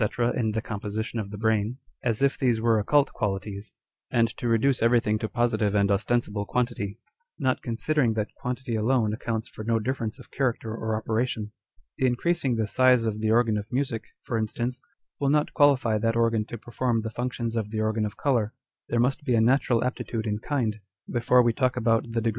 in the composition of the brain, as if these were occult qualities, and to reduce everything to positive and ostensible quantity ; not considering that quantity alone accounts for no difference of character or operation. The increasing the size of the organ of music,, for instance, will not qualify that organ to perform the functions of the organ of colour : there must be a natural aptitude in kind, before we talk about the degree or 1 Page 105.